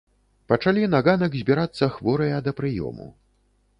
Пачалі на ганак збірацца хворыя да прыёму.